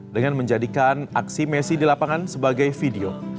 dengan menjadikan aksi messi di lapangan sebagai video